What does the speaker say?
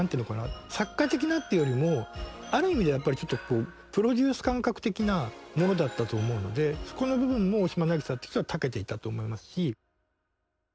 作家的なっていうよりもある意味ではやっぱりちょっとプロデュース感覚的なものだったと思うのでそこの部分も大島渚って人はたけていたと思いますし。